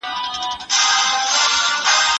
عاید هغه مهال زیاتیږي چی اقتصاد وده وکړي.